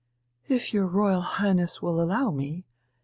"If your Royal Highness will allow me....